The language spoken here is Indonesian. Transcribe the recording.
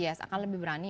yes akan lebih berani